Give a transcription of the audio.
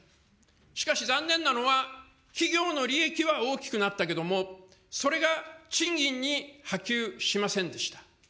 しかし残念なのは、企業の利益は大きくなったけれども、それが賃金に波及しませんでした。